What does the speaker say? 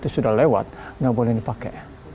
sudah lewat nggak boleh dipakai